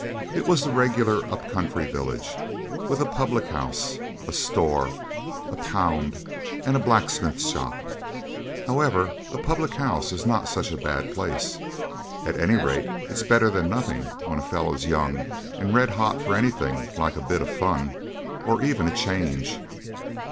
It was the regular up country village, with a public house, a store, a pound, and a blacksmith's shop. However, a public house is not such a bad place at any rate it's better than nothing when a fellow's young and red hot for anything like a bit of fun, or even a change.